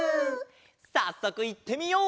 さっそくいってみよう！